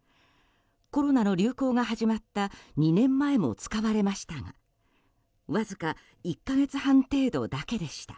コロナの流行が始まった２年前も使われましたがわずか１か月半程度だけでした。